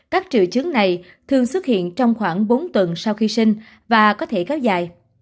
các triệu chứng này thường xuất hiện trong khoảng bốn tuần sau khi sinh và có thể kéo dài